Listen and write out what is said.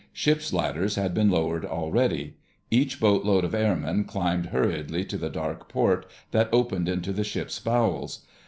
Ship's ladders had been lowered already. Each boatload of airmen climbed hurriedly to the dark port that opened into the ship's bowels.